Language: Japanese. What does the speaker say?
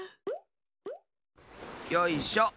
よいしょ。